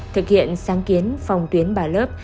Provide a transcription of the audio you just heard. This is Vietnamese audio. thực hiện sáng kiến phòng tuyến bà lớp